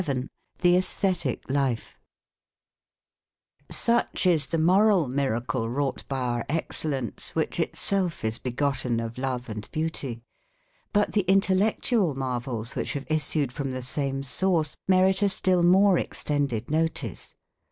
VII THE ÆSTHETIC LIFE Such is the moral miracle wrought by our excellence which itself is begotten of love and beauty. But the intellectual marvels which have issued from the same source, merit a still more extended notice.